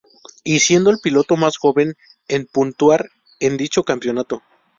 Y siendo el piloto más joven en puntuar en dicho campeonato.